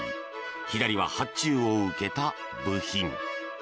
左は発注を受けた部品。